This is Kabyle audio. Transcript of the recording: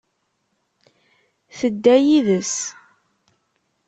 Tedda yid-s.